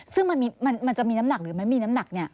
ซึ่งมันจะมีน้ำหนักหรือไม่มีน้ำหนักเนี่ย